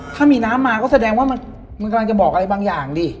ถ้ามีน้ำมาก็แสดงว่ามึงกำลังจะบอกอะไรบางอย่างดิ